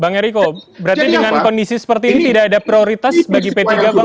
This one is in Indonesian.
bang eriko berarti dengan kondisi seperti ini tidak ada prioritas bagi p tiga